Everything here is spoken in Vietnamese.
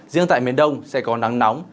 riêng tại miền đông sẽ có nắng nóng